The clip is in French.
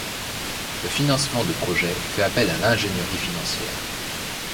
Le financement de projet fait appel à l'ingénierie financière.